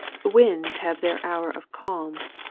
2. Winds have their hour of calm.